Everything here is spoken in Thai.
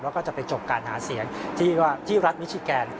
แล้วก็จะไปจบการหาเสียงที่รัฐมิชิแกน